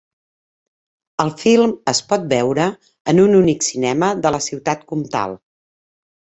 El film es pot veure en un únic cinema de la Ciutat Comtal.